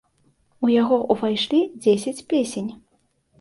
У яго ўвайшлі дзесяць песень.